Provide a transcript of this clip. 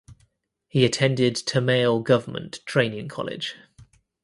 He attended Tamale Government Training College.